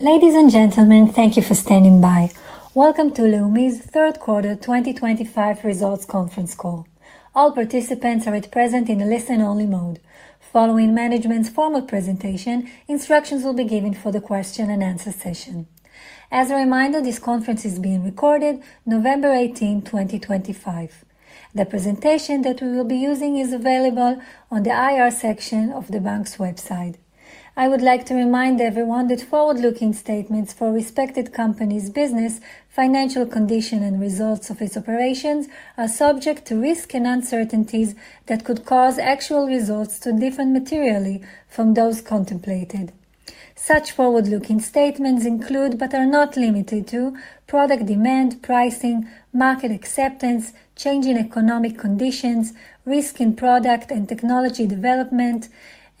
Ladies and gentlemen, thank you for standing by. Welcome to Leumi's third quarter 2025 results conference call. All participants are at present in a listen-only mode. Following management's formal presentation, instructions will be given for the question-and-answer session. As a reminder, this conference is being recorded on November 18, 2025. The presentation that we will be using is available on the IR section of the bank's website. I would like to remind everyone that forward-looking statements for respected companies' business, financial condition, and results of its operations are subject to risks and uncertainties that could cause actual results to differ materially from those contemplated. Such forward-looking statements include, but are not limited to, product demand, pricing, market acceptance, changing economic conditions, risks in product and technology development,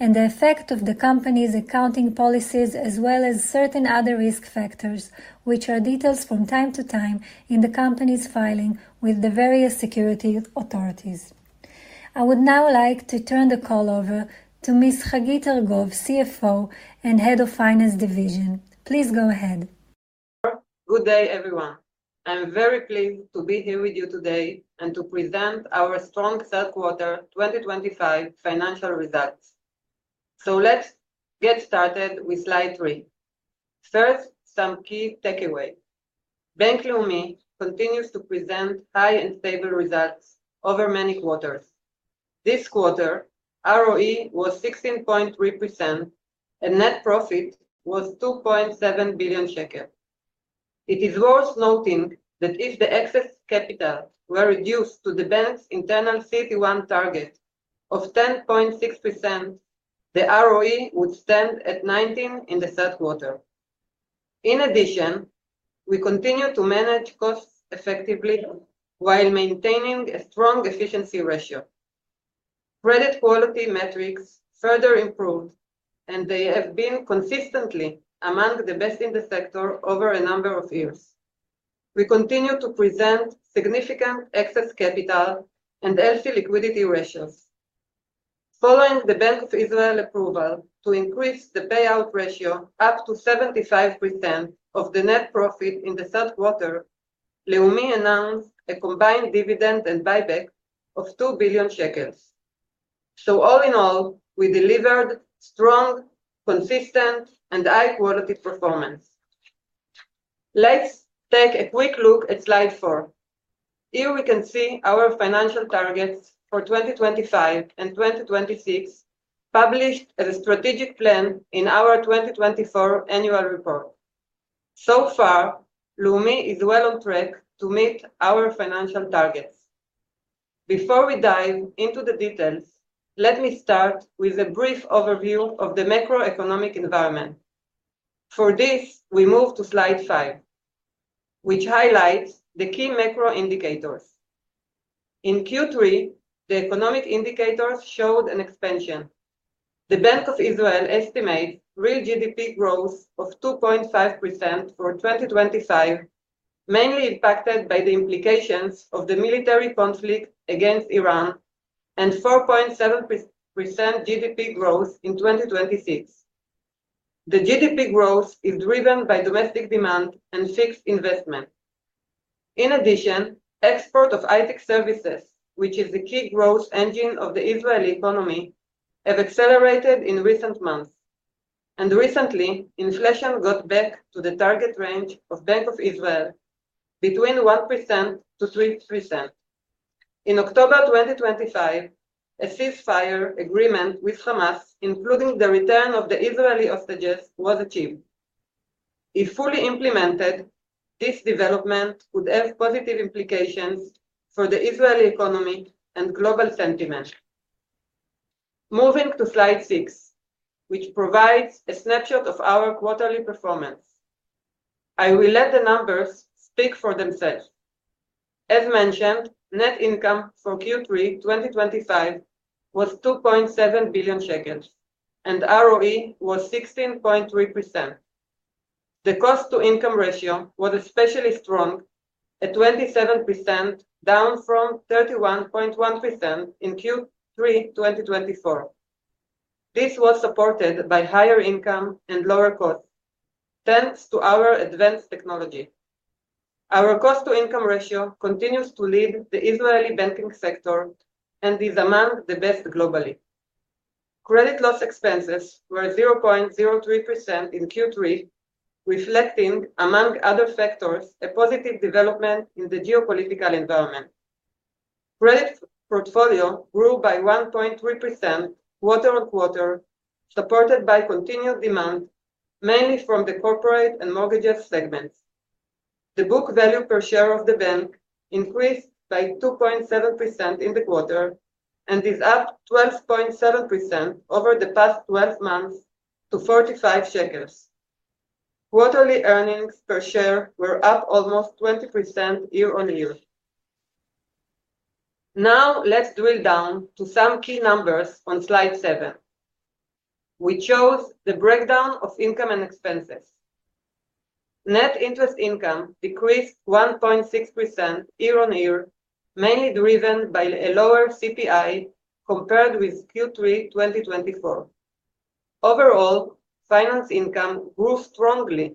and the effect of the company's accounting policies, as well as certain other risk factors, which are detailed from time to time in the company's filing with the various security authorities. I would now like to turn the call over to Ms. Hagit Argov, CFO and Head of Finance Division. Please go ahead. Good day, everyone. I'm very pleased to be here with you today and to present our strong third quarter 2025 financial results. Let's get started with slide three. First, some key takeaways. Bank Leumi continues to present high and stable results over many quarters. This quarter, ROE was 16.3%, and net profit was 2.7 billion shekels. It is worth noting that if the excess capital were reduced to the bank's internal CT1 target of 10.6%, the ROE would stand at 19% in the third quarter. In addition, we continue to manage costs effectively while maintaining a strong efficiency ratio. Credit quality metrics further improved, and they have been consistently among the best in the sector over a number of years. We continue to present significant excess capital and healthy liquidity ratios. Following the Bank of Israel approval to increase the payout ratio up to 75% of the net profit in the third quarter, Leumi announced a combined dividend and buyback of 2 billion shekels. All in all, we delivered strong, consistent, and high-quality performance. Let's take a quick look at slide four. Here we can see our financial targets for 2025 and 2026 published as a strategic plan in our 2024 annual report. So far, Leumi is well on track to meet our financial targets. Before we dive into the details, let me start with a brief overview of the macroeconomic environment. For this, we move to Slide Five, which highlights the key macro indicators. In Q3, the economic indicators showed an expansion. The Bank of Israel estimates real GDP growth of 2.5% for 2025, mainly impacted by the implications of the military conflict against Iran and 4.7% GDP growth in 2026. The GDP growth is driven by domestic demand and fixed investment. In addition, export of ITIC services, which is the key growth engine of the Israeli economy, have accelerated in recent months. In recent months, inflation got back to the target range of Bank of Israel, between 1%-3%. In October 2025, a ceasefire agreement with Hamas, including the return of the Israeli hostages, was achieved. If fully implemented, this development would have positive implications for the Israeli economy and global sentiment. Moving to Slide Six, which provides a snapshot of our quarterly performance. I will let the numbers speak for themselves. As mentioned, net income for Q3 2025 was 2.7 billion shekels, and ROE was 16.3%. The cost-to-income ratio was especially strong, at 27%, down from 31.1% in Q3 2024. This was supported by higher income and lower costs, thanks to our advanced technology. Our cost-to-income ratio continues to lead the Israeli banking sector and is among the best globally. Credit loss expenses were 0.03% in Q3, reflecting, among other factors, a positive development in the geopolitical environment. Credit portfolio grew by 1.3% quarter-on-quarter, supported by continued demand, mainly from the corporate and mortgage segments. The book value per share of the bank increased by 2.7% in the quarter and is up 12.7% over the past 12 months to 45 shekels. Quarterly earnings per share were up almost 20% year on year. Now let's drill down to some key numbers on Slide Seven. We chose the breakdown of income and expenses. Net interest income decreased 1.6% year on year, mainly driven by a lower CPI compared with Q3 2024. Overall, finance income grew strongly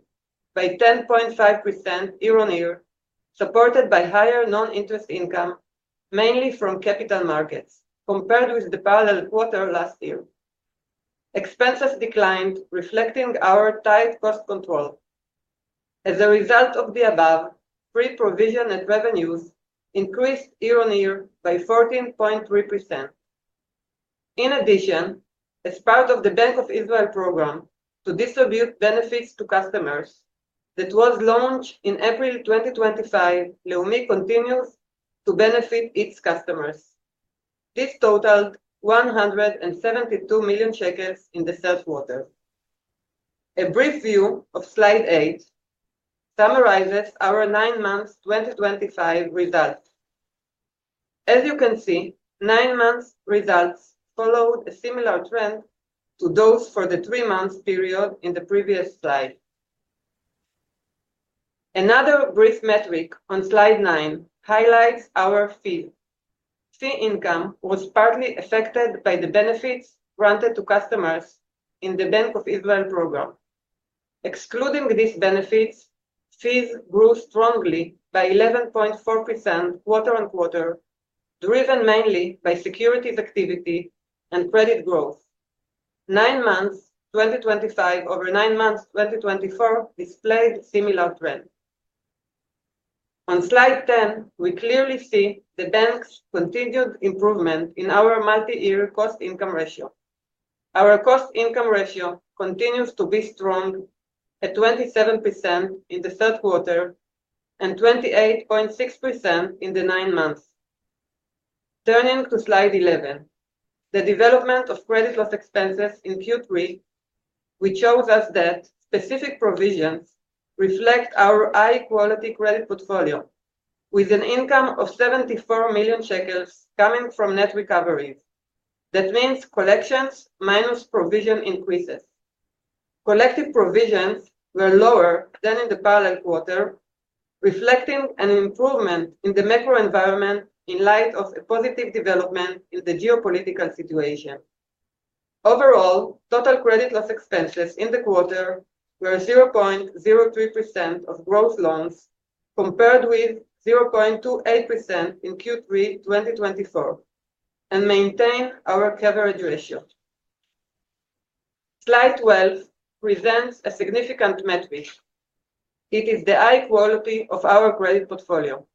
by 10.5% year on year, supported by higher non-interest income, mainly from capital markets, compared with the parallel quarter last year. Expenses declined, reflecting our tight cost control. As a result of the above, pre-provision and revenues increased year on year by 14.3%. In addition, as part of the Bank of Israel program to distribute benefits to customers that was launched in April 2025, Leumi continues to benefit its customers. This totaled 172 million shekels in the third quarter. A brief view of slide eight summarizes our nine-month 2025 results. As you can see, nine-month results followed a similar trend to those for the three-month period in the previous slide. Another brief metric on slide nine highlights our fees. Fee income was partly affected by the benefits granted to customers in the Bank of Israel program. Excluding these benefits, fees grew strongly by 11.4% quarter on quarter, driven mainly by securities activity and credit growth. Nine months 2025 over nine months 2024 displayed a similar trend. On Slide 10, we clearly see the bank's continued improvement in our multi-year cost-to-income ratio. Our cost-to-income ratio continues to be strong, at 27% in the third quarter and 28.6% in the nine months. Turning to Slide 11, the development of credit loss expenses in Q3, we chose as that specific provisions reflect our high-quality credit portfolio, with an income of 74 million shekels coming from net recoveries. That means collections minus provision increases. Collective provisions were lower than in the parallel quarter, reflecting an improvement in the macro environment in light of a positive development in the geopolitical situation. Overall, total credit loss expenses in the quarter were 0.03% of gross loans compared with 0.28% in Q3 2024 and maintain our coverage ratio. Slide 12 presents a significant metric. It is the high quality of our credit portfolio.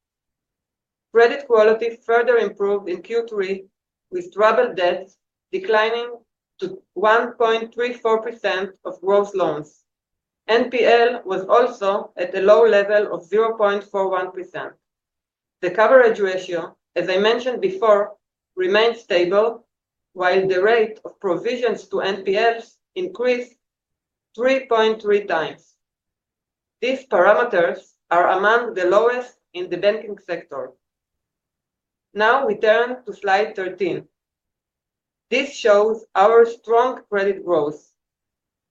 Credit quality further improved in Q3, with troubled debts declining to 1.34% of gross loans. NPL was also at a low level of 0.41%. The coverage ratio, as I mentioned before, remained stable, while the rate of provisions to NPLs increased 3.3 times. These parameters are among the lowest in the banking sector. Now we turn to Slide 13. This shows our strong credit growth.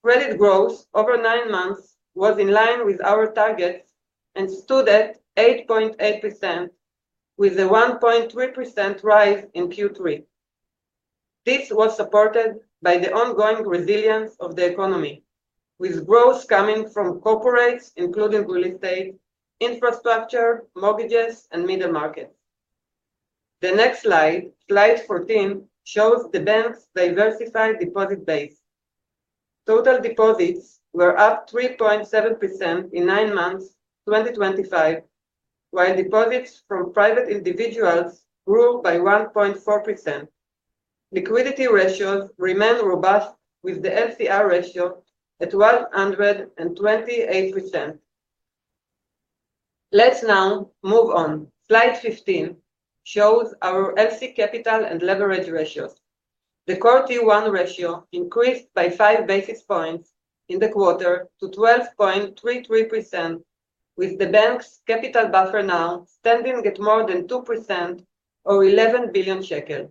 Credit growth over nine months was in line with our targets and stood at 8.8%, with a 1.3% rise in Q3. This was supported by the ongoing resilience of the economy, with growth coming from corporates, including real estate, infrastructure, mortgages, and middle markets. The next slide, Slide 14, shows the bank's diversified deposit base. Total deposits were up 3.7% in nine months 2025, while deposits from private individuals grew by 1.4%. Liquidity ratios remain robust, with the LCR ratio at 128%. Let's now move on. Slide 15 shows our LC capital and leverage ratios. The core T1 ratio increased by five basis points in the quarter to 12.33%, with the bank's capital buffer now standing at more than 2% or 11 billion shekel.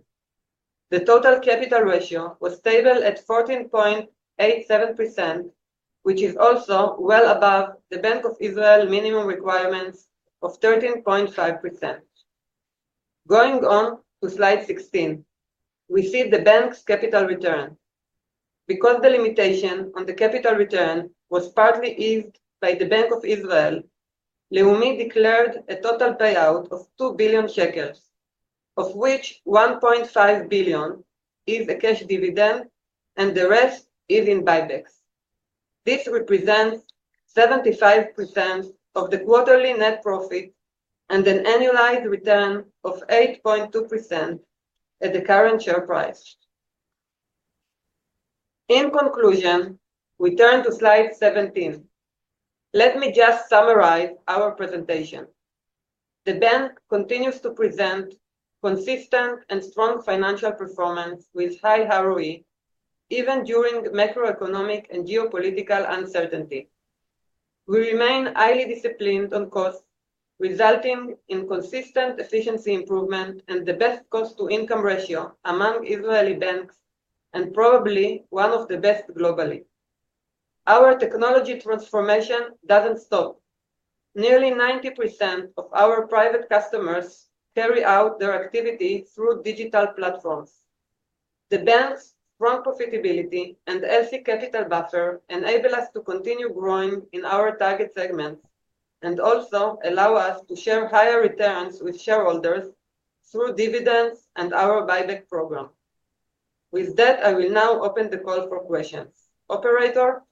The total capital ratio was stable at 14.87%, which is also well above the Bank of Israel minimum requirements of 13.5%. Going on to Slide 16, we see the bank's capital return. Because the limitation on the capital return was partly eased by the Bank of Israel, Leumi declared a total payout of 2 billion shekels, of which 1.5 billion is a cash dividend and the rest is in buybacks. This represents 75% of the quarterly net profit and an annualized return of 8.2% at the current share price. In conclusion, we turn to Slide 17. Let me just summarize our presentation. The bank continues to present consistent and strong financial performance with high ROE, even during macroeconomic and geopolitical uncertainty. We remain highly disciplined on costs, resulting in consistent efficiency improvement and the best cost-to-income ratio among Israeli banks and probably one of the best globally. Our technology transformation doesn't stop. Nearly 90% of our private customers carry out their activity through digital platforms. The bank's strong profitability and LC capital buffer enable us to continue growing in our target segments and also allow us to share higher returns with shareholders through dividends and our buyback program. With that, I will now open the call for questions, Operator.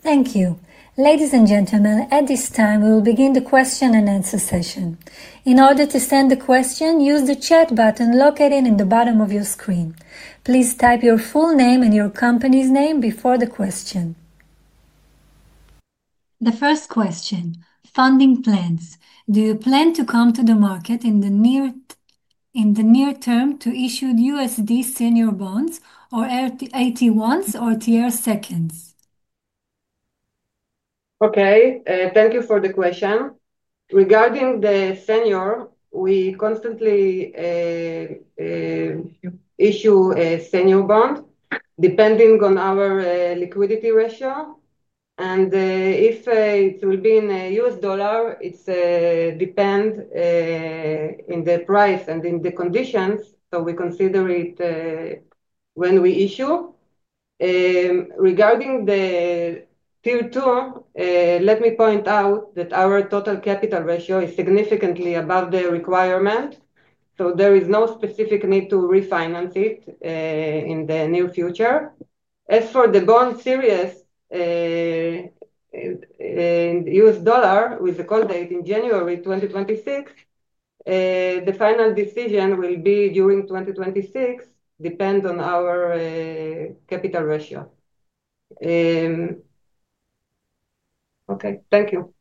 Thank you. Ladies and gentlemen, at this time, we will begin the question and answer session. In order to send the question, use the chat button located in the bottom of your screen. Please type your full name and your company's name before the question. The first question, funding plans. Do you plan to come to the market in the near term to issue USD senior bonds or AT1s or TR2s? Okay, thank you for the question. Regarding the senior, we constantly issue a senior bond depending on our liquidity ratio. If it will be in US dollar, it depends on the price and the conditions, so we consider it when we issue. Regarding the Tier 2, let me point out that our total capital ratio is significantly above the requirement, so there is no specific need to refinance it in the near future. As for the bond series in US dollars with a call date in January 2026, the final decision will be during 2026, depending on our capital ratio. Okay, thank you.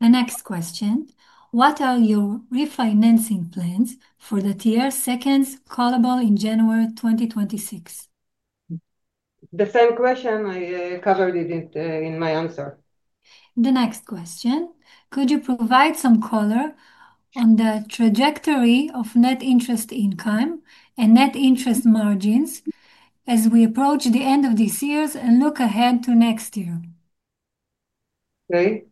The next question, what are your refinancing plans for the TR2s callable in January 2026? The same question, I covered it in my answer. The next question, could you provide some color on the trajectory of net interest income and net interest margins as we approach the end of this year and look ahead to next year? Okay,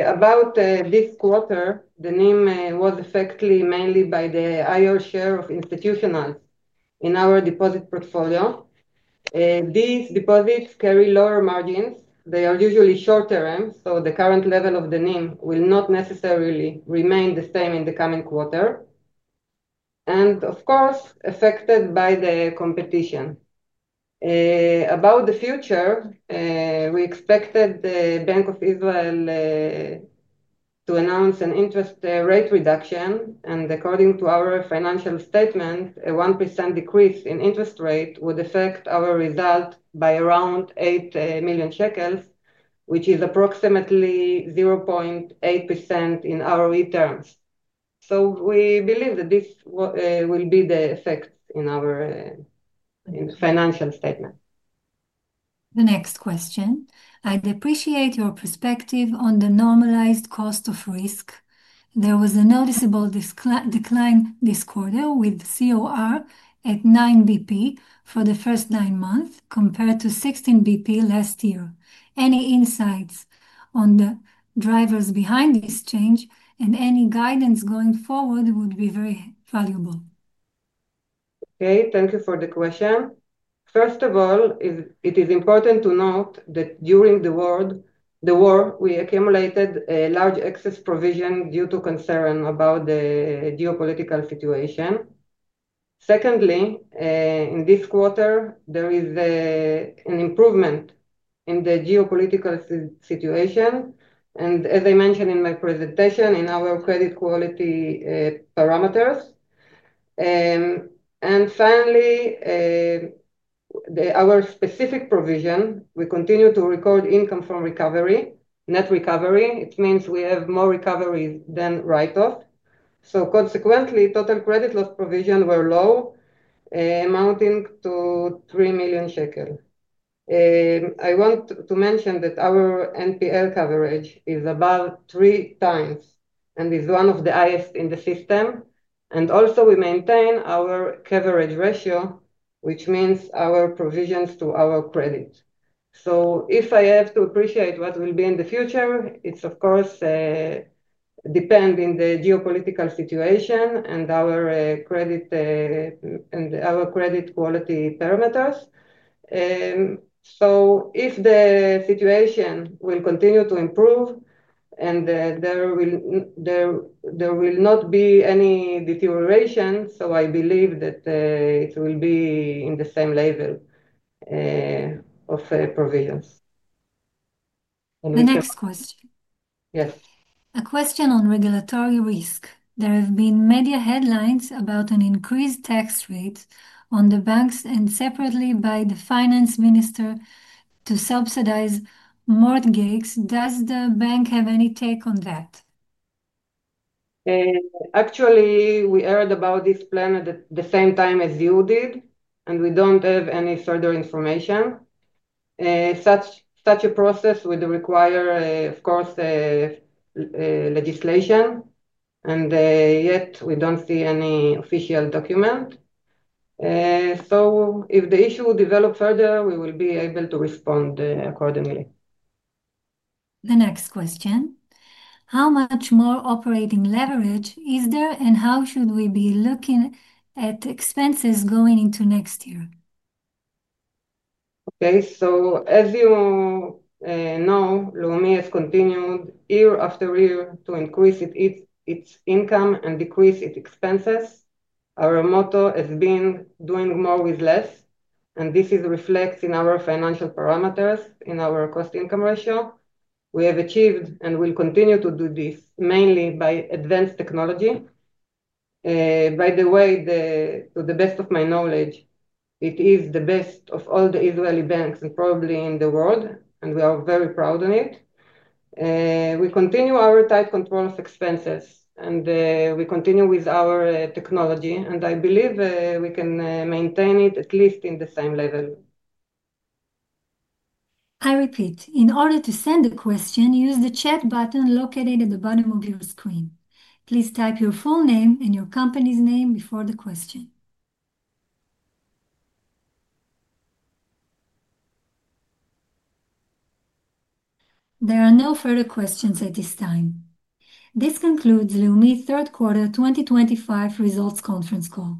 about this quarter, the NIM was affected mainly by the higher share of institutionals in our deposit portfolio. These deposits carry lower margins. They are usually short term, so the current level of the NIM will not necessarily remain the same in the coming quarter. Of course, affected by the competition. About the future, we expected the Bank of Israel to announce an interest rate reduction, and according to our financial statement, a 1% decrease in interest rate would affect our result by around 8 million shekels, which is approximately 0.8% in ROE terms. We believe that this will be the effect in our financial statement. The next question, I'd appreciate your perspective on the normalized cost of risk. There was a noticeable decline this quarter with COR at 9 bp for the first nine months compared to 16 bp last year. Any insights on the drivers behind this change and any guidance going forward would be very valuable. Okay, thank you for the question. First of all, it is important to note that during the war, we accumulated a large excess provision due to concern about the geopolitical situation. Secondly, in this quarter, there is an improvement in the geopolitical situation, and as I mentioned in my presentation, in our credit quality parameters. Finally, our specific provision, we continue to record income from recovery, net recovery. It means we have more recovery than write-off. Consequently, total credit loss provisions were low, amounting to 3 million shekel. I want to mention that our NPL coverage is about three times and is one of the highest in the system. Also, we maintain our coverage ratio, which means our provisions to our credit. If I have to appreciate what will be in the future, it is of course depending on the geopolitical situation and our credit quality parameters. If the situation will continue to improve and there will not be any deterioration, I believe that it will be in the same level of provisions. The next question. Yes. A question on regulatory risk. There have been media headlines about an increased tax rate on the banks and separately by the finance minister to subsidize mortgages. Does the bank have any take on that? Actually, we heard about this plan at the same time as you did, and we do not have any further information. Such a process would require, of course, legislation, and yet we do not see any official document. If the issue develops further, we will be able to respond accordingly. The next question, how much more operating leverage is there and how should we be looking at expenses going into next year? Okay, as you know, Leumi has continued year after year to increase its income and decrease its expenses. Our motto has been doing more with less, and this is reflected in our financial parameters, in our cost-to-income ratio. We have achieved and will continue to do this mainly by advanced technology. By the way, to the best of my knowledge, it is the best of all the Israeli banks and probably in the world, and we are very proud of it. We continue our tight control of expenses and we continue with our technology, and I believe we can maintain it at least in the same level. I repeat, in order to send the question, use the chat button located at the bottom of your screen. Please type your full name and your company's name before the question. There are no further questions at this time. This concludes Leumi's third quarter 2025 results conference call.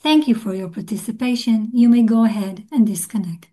Thank you for your participation. You may go ahead and disconnect.